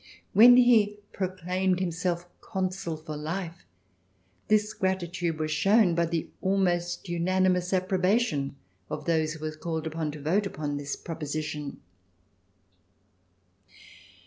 When he proclaimed himself Consul for Life, this gratitude was shown by the almost unanimous apj)robation of those who were called upon to vote uj)on this proposition.